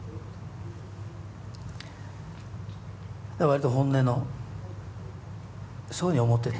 割と本音のそういうふうに思ってて。